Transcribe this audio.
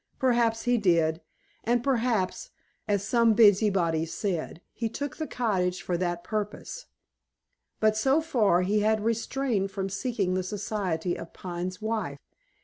Perhaps he did, and perhaps as some busybodies said he took the cottage for that purpose; but so far, he had refrained from seeking the society of Pine's wife.